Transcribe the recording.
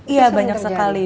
iya banyak sekali